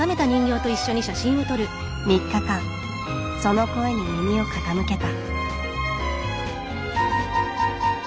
３日間その声に耳を傾けた。